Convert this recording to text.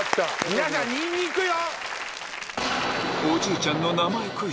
皆さんニンニクよ！